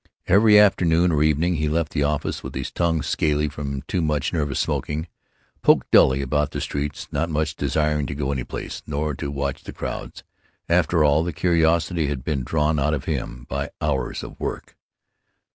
Every afternoon or evening he left the office with his tongue scaly from too much nervous smoking; poked dully about the streets, not much desiring to go any place, nor to watch the crowds, after all the curiosity had been drawn out of him by hours of work.